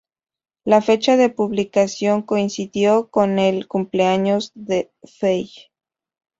La fecha de publicación coincidió con el cumpleaños de Fey.